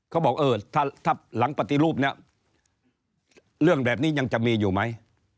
เขาบอกเออถ้าหลังปฏิรูปนี้